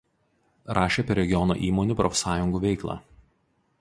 Rašė apie regiono įmonių profsąjungų veiklą.